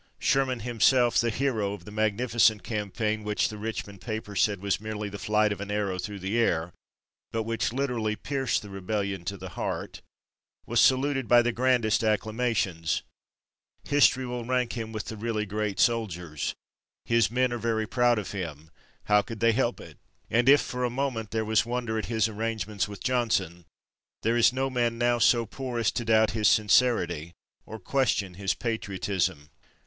Sherman himself, the hero of the magnificent campaign which the Richmond papers said was merely the flight of an arrow through the air but which literally pierced the rebellion to the heart was saluted by the grandest acclamations. History will rank him with the really great soldiers. His men are very proud of him how could they help it? and if for a moment there was wonder at his arrangements with Johnson, there is no man now so poor as to doubt his sincerity or question his patriotism.